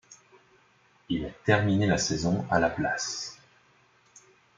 Il a terminé la saison à la place.